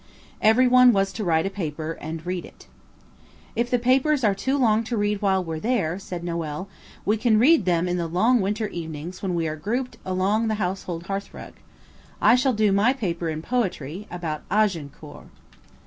Every one was to write a paper–and read it. "If the papers are too long to read while we're there," said Noël, "we can read them in the long winter evenings when we are grouped along the household hearthrug. I shall do my paper in poetry–about Agincourt."